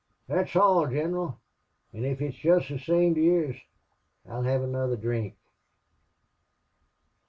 "That's all, Gineral. An' if it's jist the same to yez I'll hev another drink."